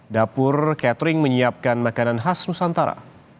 dapur catering menyiapkan makanan khas nusantara